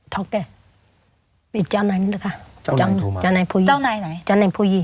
ทุกแกจ้าวไหนนี่แหละค่ะจ้าวไหนทุกมากจ้าวไหนไหนจ้าวไหนผู้ยี่